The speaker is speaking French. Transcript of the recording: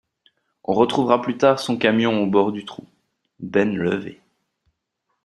On retrouvera plus tard son camion au bord du trou, benne levée.